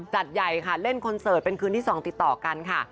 จัดใหญ่ค่ะเล่นคอนเสิร์ตเป็นคืนที่๒ติดต่อกันค่ะ